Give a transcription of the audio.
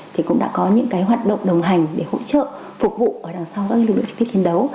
thì cũng đã có những hoạt động đồng hành để hỗ trợ phục vụ ở đằng sau các lực lượng trực tiếp chiến đấu